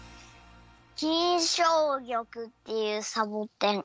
金松玉っていうサボテン。